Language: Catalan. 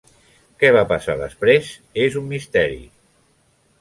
Què va passar després és un misteri.